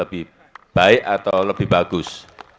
lebih baik atau lebih bagus